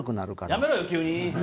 やめろよ、急に！